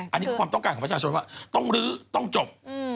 อันนี้คือความต้องการของประชาชนว่าต้องลื้อต้องจบ